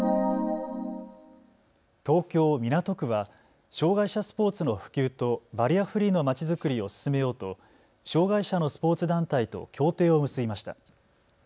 東京港区は障害者スポーツの普及とバリアフリーのまちづくりを進めようと障害者のスポーツ団体と協定を結びました。